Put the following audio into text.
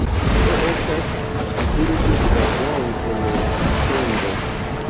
Kio estas? li diris kvazaŭ en sonĝo.